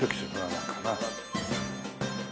なんかな。